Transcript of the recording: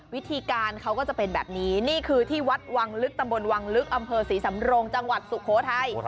วิธีการเขาก็จะเป็นแบบนี้นี่คือที่วัดวังลึกตำบลวังลึกอำเภอศรีสำโรงจังหวัดสุโขทัย